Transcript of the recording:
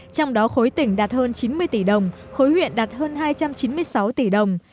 trong đó khối tỉnh đạt hơn chín mươi tỷ đồng khối huyện đạt hơn hai trăm chín mươi sáu tỷ đồng